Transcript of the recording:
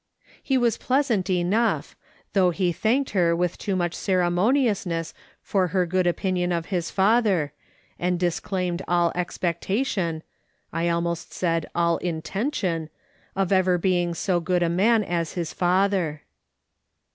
He was pleasant enough, though he thanked her with too much ceremoniousness for her good opinion of his father, and disclaimed all expectation — I had almost said all intention — of ever being so good a man as his father.